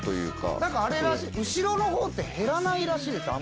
何か後ろのほうって減らないらしいですあんまり。